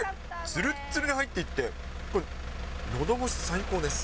つるっつるに入っていって、これ、のどごし最高です。